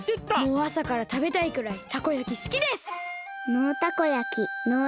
もうあさからたべたいくらいたこ焼きすきです！